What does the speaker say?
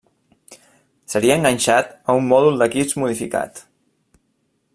Seria enganxat a un Mòdul d'Equips modificat.